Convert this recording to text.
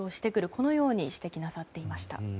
このように指摘なさっていました。